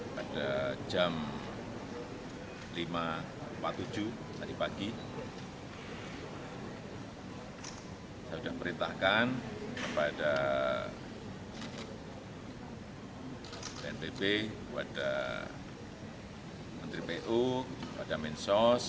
pada jam lima empat puluh tujuh tadi pagi saya sudah perintahkan kepada ntb kepada menteri pu kepada mensos